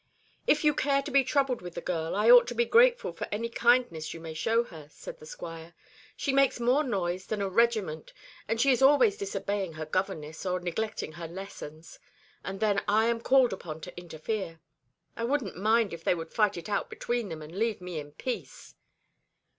"If you care to be troubled with the girl, I ought to be grateful for any kindness you may show her," said the Squire. "She makes more noise than a regiment, and she is always disobeying her governess, or neglecting her lessons; and then I am called upon to interfere. I wouldn't mind if they would fight it out between them, and leave me in peace."